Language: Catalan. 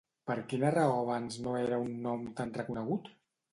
Per quina raó abans no era un nom tan reconegut?